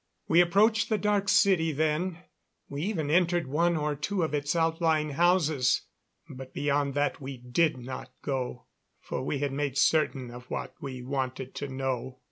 We approached the Dark City then; we even entered one or two of its outlying houses;, but beyond that we did not go, for we had made certain of what we wanted to know.